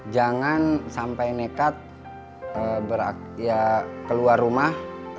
jangan sampai nekat keluar rumah